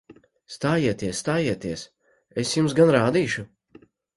Stājieties! Stājieties! Es jums gan rādīšu!